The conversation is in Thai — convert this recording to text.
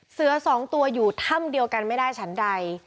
สองตัวอยู่ถ้ำเดียวกันไม่ได้ฉันใด